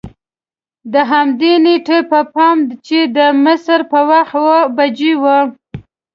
د همدې نېټې په ماښام چې د مصر په وخت اوه بجې وې.